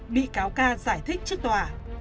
bị cáo ca giải thích trước tòa